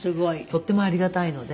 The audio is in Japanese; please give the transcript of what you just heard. とってもありがたいので。